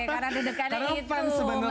karena deg degan nya itu